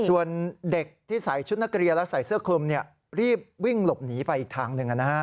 ส่วนเด็กที่ใส่ชุดนักเรียนและใส่เสื้อคลุมรีบวิ่งหลบหนีไปอีกทางหนึ่ง